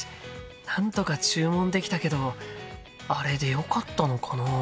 なんとか注文できたけどあれでよかったのかな？